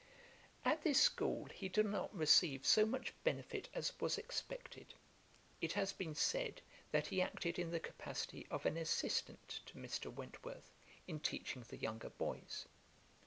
At this school he did not receive so much benefit as was expected. It has been said, that he acted in the capacity of an assistant to Mr. Wentworth, in teaching the younger boys.